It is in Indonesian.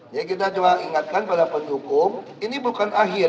jadi kita coba ingatkan pada pendukung ini bukan akhir